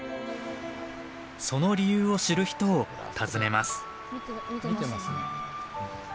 その理由を知る人を訪ねます。